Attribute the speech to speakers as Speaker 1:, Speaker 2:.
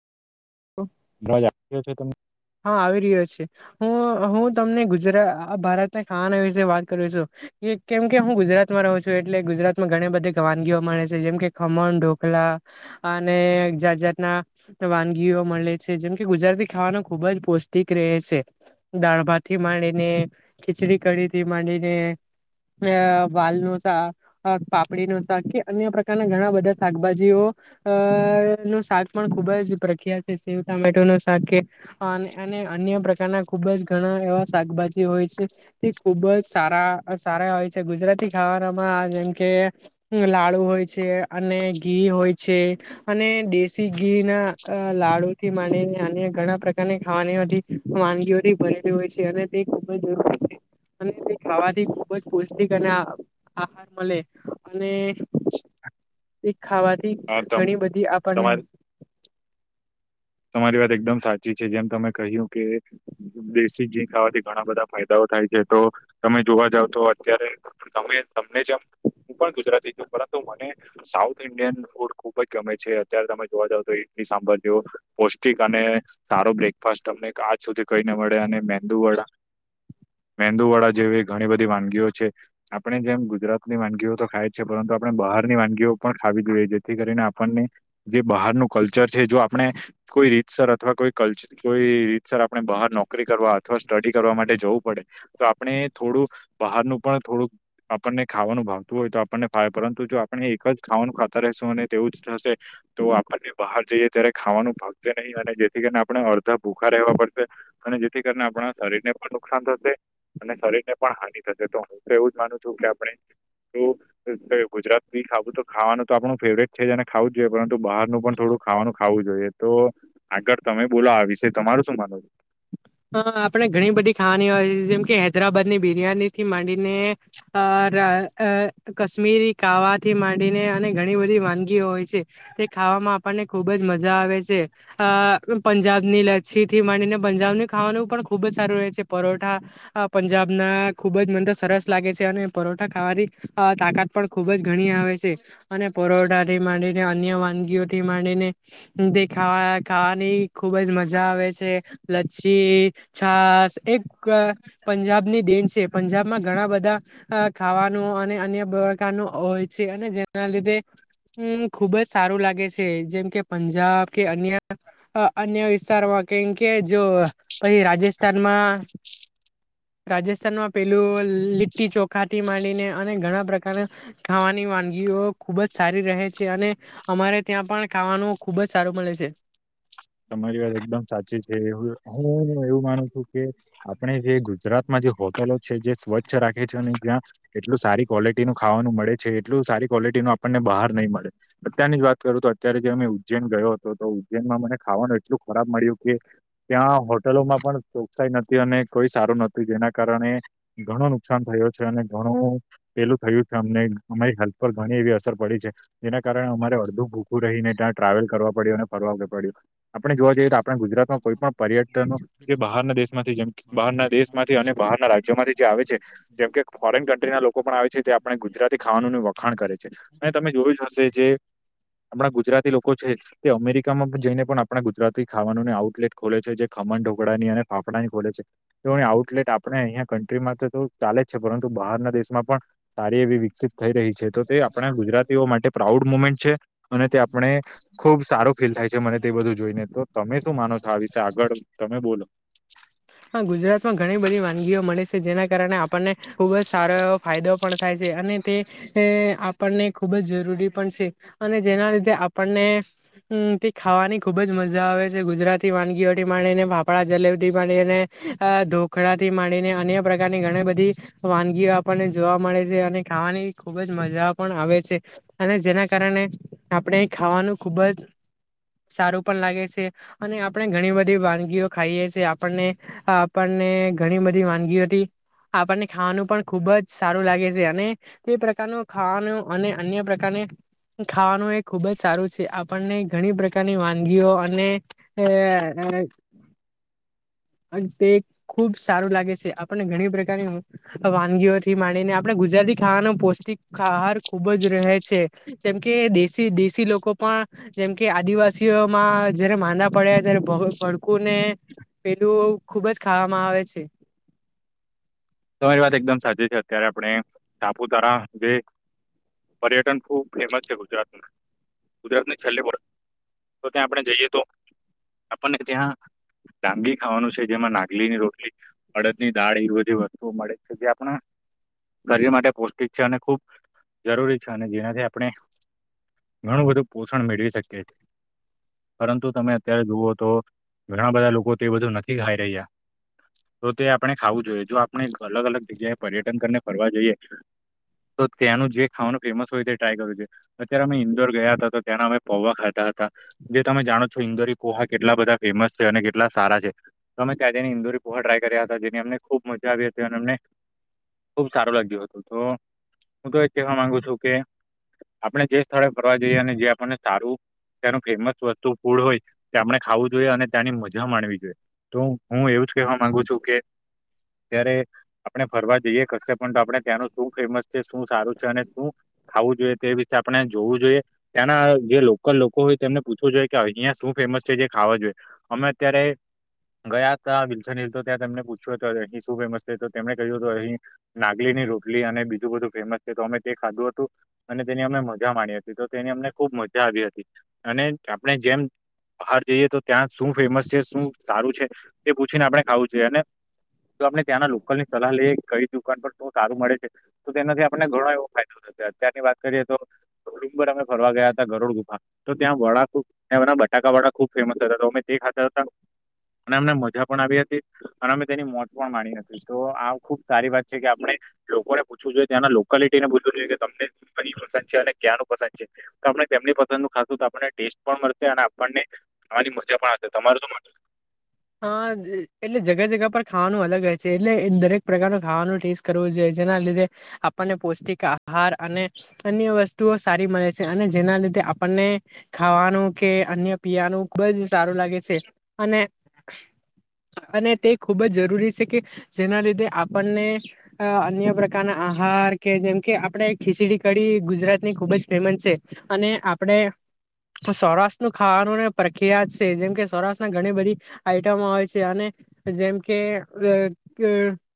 Speaker 1: બવાજ આપ્યો છે તમે
Speaker 2: હા આવી રહ્યો છે હું હું તમને ગુજરાત ભારતના ખાવાના વિશે વાત કરું છું કેમ કે હું ગુજરાતમાં રહું છું એટલે ગુજરાત માં ઘણી બધી વાનગીઓ મળે છે જેમ કે ખમણ ઢોકલા અને જાત જાત ના વાનગીઓ મળે છે જેમ કે ગુજરાતી ખાવાનો ખુબ જ પૌષ્ટિક રહે છે દાળભાથી માંડીને ખીચડી કઢીથી માંડીને અ વાલનો શાક પાપડીનો શાક કે અન્ય પ્રકારના ઘણા બધા શાકભાજીઓ અ નું શાક પણ ખુબ જ પ્રખ્યાત છે શેવ ટામેટો નું શાક કે અને અને અન્ય પ્રકારના ખુબ જ ઘણા એવા શાકભાજી હોય છે તે ખુબ જ સારા સારા હોય છે ગુજરાતી ખાવાનામાં જેમ કે લાડુ હોય છે અને ઘી હોય છે અને દેશી ઘી ના લાડુ થી નીને આ ઘણા પ્રકાર ખાવાની વાનગીઓરી ભરેલી હોય છે અને તે ખૂબ જ જરૂરી છે અને તે ખાવાથી ખુબ જ પૌષ્ટિક અને આહાર મળે અને તે
Speaker 1: [inaudible]
Speaker 2: ખાવાથી
Speaker 1: હા તમ
Speaker 2: ઘણી બધી આપણને
Speaker 1: તમારી તમારી વાત એકદમ સાચી છે જેમ તમે કહ્યું કે દેશી ઘી ખાવાથી ઘણા બધા ફાયદાઓ થાય છે તો તમે જોવા જાવ તો અત્યારે તમે તમને જેમ હું પણ ગુજરાતી તો મને સાઉથ ઈન્ડિયન ફૂડ ખુબ જ ગમે છે અત્યારે તમે જોવા જાવ તો ઈડલી સાંભાર જોવ પૌષ્ટિક અને સારો બ્રેકફાસ્ટ અમને આજ સુધી કહીને મળે અને મેંદુ વડા મેંદુ વડા જેવી ઘણી બધી વાનગીઓ છે આપણે જેમ ગુજરાતની વાનગીઓ તો ખાય છે પરંતુ તો આપણે બહારની વાનગીઓ પણ ખાવી જોઈએ જેથી કરીને આપણને જે બહારનું કલ્ચર છે જો આપણે કોઈ રીતસર અથવા કોઈ કલ્ચર કોઈ સર આપણે બહાર નોકરી કરવા અથવા સ્ટડી કરવા માટે જવું પડે તો આપણે થોડું બહારનું પણ થોડું આપણને ખાવાનું ભાવતું હોય તો આપણને ફાય પરંતુ જો આપણે એક જ ખાવાનું ખાતા રશું અને તેવું જ થશે તો આપને બહાર જઈએ ત્યારે ખાવાનું ભ નહી અને જેથી કરીને આપણે અડધા ભૂખા રહેવા પડશે અને જેથી કરીને આપણા શરીર ને પણ નુકસાન થશે અને શરીર ને પણ હાનિ થશે તો હું તો એવું જ માનું છું કે આપણે ગુજરાતી ખાવ તો ખાવાનું તો આપણું ફેવરેટ છે અનેને ખાવું જ જોઈએ પરંતુ બહારનું પણ થોડું ખાવાનું ખાવું જોઈએ તો આગળ તમે બોલો આ વિશે તમારું શું માનો છ
Speaker 2: હ આપણે ઘણી બધી ખાવાની હોય જેમ કે હૈદરાબાદ ની બિરિયાની થી માંડીને કશ્મીરી કાવાથી માંડીને અને ઘણી બધી વાનગીઓ હોય છે તે ખવામાં આપણને ખુબ જ મજા આવે છે અ પંજાબ ની લચછી થી મળડીને પંજાબની ખાવાનું પણ ખુબ જ સારું રહે છે પરોઠા પંજાબ ના ખુબ જ મને તો સરસ લાગે છે અને પરઠા ખાવાની તાકાત પણ ખુબ જ ઘણી આવે છે અને પરઠાથી માંડીને અન્ય વાનગી થી માંડીને તે ખાવા ખાવાની ખુબ જ મજા આવે છે છી છાસ એક પંજાબની દેન છે પંજાબમાં ઘણા બધા અ ખાવાનું અને અન્ય પ્રકારનું હોય છે અને જેના લીધે હમ ખુબ જ સારું લાગે છે જેમ કે પંજાબ કે અન્ય અન્ય વિસ્તારમાં કેમ કે જો પછી રાજસ્થાનમાં રાજસ્થાનમાં પેલું લીટટી ચોખાથી માંડીને અને ઘણા પ્રકારના ખાવાની વાનગી ખુબ જ સારી રહે છે અને અમારે ત્યાં પણ ખાવાનું ખુબ જ સારું મળે છે
Speaker 1: તમારી વાત એકદમ સાચી છે હું હુંું એવું માનું છું કે આપણે જે ગુજરાતમાં જે હોટલો છે જે સ્વચ્છ રાખે છે ને ત્યા એટલું સારી ક્વોલિટી નું ખાવાનું મળે છે એટલું સારી ક્વોલિટી નું આપણને બહાર નહીં મળે અત્ય વાત કરું તો અત્યારે જે અમે ઉજ્જૈન ગયો હતો તો ઉજ્જૈનમાં મને ખાવાનું એટલું ખરાબ મળ્યું કે ત્યાં હોટલોમાં પણ ચોકસાઈ નથી અને કોઈ સારું નતું કારણે ઘણું નુકસાન થયો છે અને ઘણું પેલું થયું છે અમને અમારી હેલ્પર ઘણી એવી અસર પડી છે એના કારણે અમારે અડધું ભૂખું રહીને ત્યાં ટ્રાવેલ કરવા પડ્યું અને ફરવા પડ્યું આપણે જોવા જઈએ તો આપણા ગુજરાતમાં કોઈ પણ પર્યટનો જે બહારના દેશ માંથી જેમ બહારના દેશ માંથી અને બહારના રાજ્યોમાંથી જે આવે છે જેમ કે ફોરેન કન્ટ્રી ના લોકો પણ આવે છે તે આપણે ગુજરાતી ખાવાનું વખાણ કરે છે અને તમે જોયું જ હશે જે
Speaker 2: [unintelligible]
Speaker 1: આપણા ગુજરાતી લોકો છે, તે અમેરિકામાં જઈને પણ. આપણા ગુજરાતી ખાવાનુંની આઉટલેટ ખોલે છે, જે ખમણ, ઢોકળાની અને ફાફડાની ખોલે છે તેની આઉટલેટ આપણે અહીંયા કન્ટ્રીમાં તો ચાલે જ છે પરંતુ બહારના દેશમાં પણ સારી એવી વિકસિત થઈ રહી છે તો તે આપણા ગુજરાતીઓ માટે પ્રાઉડ મુમેન્ટ છે અને તે આપણે ખુબ સારો ફીલ થાય છે મને તે બધું જોઈને તો તમે શું માનો છો આ વિશે આગળ તમે બોલો
Speaker 2: હા ગુજરાતમાં ઘણી બધી વાનગીઓ મળે છે જેના કારણે આપણને ખુબ જ સારો એવો ફાયદો ળ થાય છે અને તે આપણને ખૂબ જ જરૂરી પણ છે અને જેના લીધે આપણને તે ખાવાની ખુબ જ મજા આવે છે ગુજરાતી વાનગીઓને ફાફળ જલે ોખળથી માંડીને અન્ય પ્રકારની ઘણી બધી વાનગીઓ આપણને જોવા મળે છે અને ખાવાની ખુબ જ મજા પણ આવે છે અને જેના કારણે આપણે ખાવાનું ખુબ જ સારું પણ લાગે છે અને આપણે ઘણી બધી વાનગીઓ ખાઈએ છીએ આપણને આપ ઘણી બધી વાનગી હતી આપણને ખાવાનું પણ ખુબ જ સારું લાગે છે અને તે પ્રકારનું ખાવાનું અને અન્ય પ્રકારને ખાવાનું એ ખુબ જ સારું છે આપણને ઘણી પ્રકારની વાનગીઓ અને અ હ તે ખુબ સારું લાગે છે. આપણને ઘણી પ્રકારની વાનગીઓ તે માનીને ગુજરાતી ખાવાનો પૌષ્ટિક આહાર ખુબ જ રહે છે, જેમ કે દેશી દેશી લોકો પણ, જેમ કે આદિવાસીઓમાં, જયારે માંદા પડ્યા ત્યારે ભડકુંને પેલું ખુબ જ ખાવામાં આવે છે.
Speaker 1: તમારી વાત એકદમ સાચી છે. અત્યારે આપણે સાપુતારા જે પર્યટન ખુબ ફેમસ છે ગુજરાતમાં. ગુજરાતને છેલ્લો તો ત્યાં આપણે જઈએ, તો આપણને જ્યાં ડાંગી ખાવાનું છે, જેમાં નાગલી ની રોટલી, અડદ ની દાળ એ બધી જોવું મળે છે, જે આપણા ગરી માટે પૌષ્ટિક છે અને ખૂબ જરૂરી છે, અને જેનાથી આપણે ઘણું બધું પોષણ મેળવી શકે છે. પરંતુ તમે અત્યારે જુઓ તો ઘણા બધા લોકો તે બધું નથી ખાઈ રહ્યા. તો તે આપણે ખાવું જોઈએ, જો આપણે અલગ અલગ જગ્યાએ પર્યટન કરીને ફરવા જઈએ. તો ત્યાંનું જે ખાવાનું ફેમસ હોય, તે ટ્રાય કરું છે. અત્યારે અમે ઈન્દોર ગયા હતા, તો ત્યાંના અમે પૌવા ખાધા હતા. જે તમે જાણો છો, ઇન્દોરી પૌવા હા કેટલા બધા ફેમસ છે અને કેટલા સારા છે. તમે ત્યાં જઈને પોહા ટ્રાય કર્યા હતા, જેની અમને ખુબ મજા આવી હતી અને મને ખુબ સારું લાગ્યું હતું, તો હું તો એ કહેવા માંગુ છું કે આપણે જે સ્થળે ફરવા જઈએ, અને જે આપણને સારું ત્યાનું ફેમસ વસ્તુ ફૂડ હોય, તે આપણે ખાવું જોઈએ અને ત્યાંની મજા માણવી જોઈએ. તો હું એવું. કેવા માંગુ છું કે
Speaker 2: [unintelligible]
Speaker 1: અત્યારે આપણે ફરવા જઈએ, કશે ત્યારે પણ આપે ત્યાંનું શું ફેમસ છે, શું સારું છે અને શું આવું જોઈએ, તે વિશે આપણે જોવું જોઈએ. ત્યાંના જે લોકલ લોકો હોય, તેમને પૂછવું જોઈએ કે અહીં શું ફેમસ ખાવા જોઈએ. અમે અત્યારે ગયા હતા, ત્યા તેમને પૂછ્યું. ફેમસ છે, તો તેમણે કહ્યું હતું, અહીં નાગલીની રોટલી અને બીજું બધું ફેમસ છે. તો અમે તે ખાધું હતું. અને તેની અમે મજા માણી હતી, તો તેની અમને ખૂબ મજા આવી હતી, અને આપણે જેમ બહાર જઈએ તો, ત્યાં શું ફેમસ છે, શું સારું છે તે પૂછીને આપણે ખાવું જોઈએ, અને તો આપણે ત્યાંના લોકલ ની સલાહ લઈએ, કંઈ દુકાન પર સારું મળે છે, તો તેનાથી આપને ઘણો એવો ફાયદો થતો. અત્યારની વાત કરીએ તો, ડુંબર અમે ફરવા ગયા હતા ગરડુ ગુફા, તો ત્યાં વડા, બધુ બટાકા. ખુબ ફેમસ હતા, તો અમે તે ખાતા હતા અને અમને મજા પણ આવી હતી, અને અમે તેની મોત માણી નથી તો આ ખુબ સારી વાત છે કે આપણે લોકોને પૂછવું જોઈએ ત્યાં લોકાલિટી ને બધું જોઈ કે તમને
Speaker 2: [unintelligible]
Speaker 1: ક્યાં પસંદ આપ તેમની પસંદ ન ખાું આપને ટેસ્ટ પણ મળશે અને આપણને મજા પણશે તમાર શ માટે
Speaker 2: હા, એટલે જગા જગા પર ખાવાનું અલગ હોય છે, એટલે દરેક પ્રકારનો ખાવાનો ટેસ્ટ કરવો જોઈએ. જેના લીધે આપણને પૌષ્ટિક આહાર અને અન્ય વસ્તુઓ સારી મળે છે, અને જેના લીધે તે આપણને ખાવાનું કે અન્ય પીવાનું ખુબ જ સારું લાગે છે, અને [unintelligible] અને તે ખૂબ જ જરૂરી છે, કે જેના લીધે આપણને અન્ય પ્રકારના આહાર કે જેમ કે, આપણે ખીચડી કડી ગુજરાતની ખુબ જ ફેમસ છે, અને આપણે સૌરાષ્ટ્ર નું ખાવાનું પ્રખ્યાત જ છે, જેમ કે સૌરાષ્ટ્ર ઘણી બધી આઈટમો આવે છે, અને જેમ કે અ